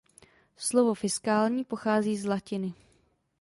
Slovo fiskální pochází z lat.